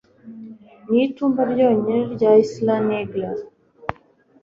mu itumba ryonyine rya Isla Negra